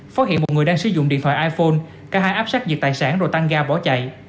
phát hiện một người đang sử dụng điện thoại iphone cả hai áp sát diệt tài sản rồi tăng ga bỏ chạy